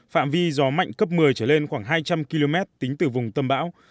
phạm vi gió mạnh cấp một mươi trở lên khoảng hai trăm linh km tính từ vùng tâm bão